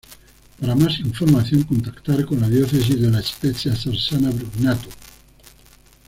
Para más información, contactar con la Diócesis de La Spezia-Sarzana-Brugnato, tel.